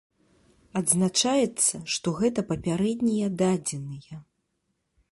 Адзначаецца, што гэта папярэднія дадзеныя.